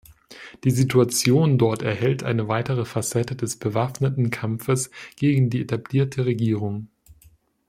Die Situation dort erhält eine weitere Facette des bewaffneten Kampfes gegen die etablierte Regierung.